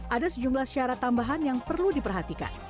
ada sejumlah syarat tambahan yang perlu diperhatikan